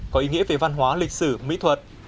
có ý nghĩa về văn hóa lịch sử mỹ thuật